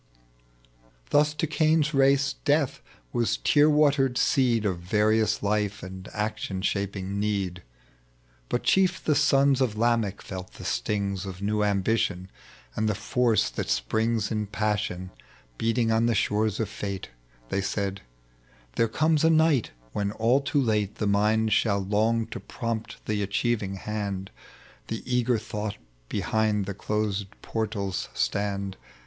Thns to Cain's race death was tear watered seed Of various life and aetion shaping need. But chief the sons of Lamech felt the stings Of new ambition, and the force that springs .tec bv Google THE LEGEND OP JUBAL. 9 In passion beating on the sliores of fate. They said, " There eomea a night when all too late The mind shall long to prompt the achieving hand, The e^er thought behind closed portals stand.